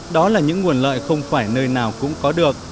đó là những nguồn lợi không phải nơi nào cũng có được